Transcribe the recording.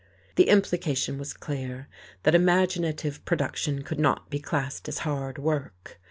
The implication was clear, that imaginative production could not be classed as hard work.